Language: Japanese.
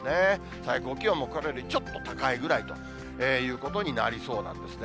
最高気温もこれよりちょっと高いぐらいということになりそうなんですね。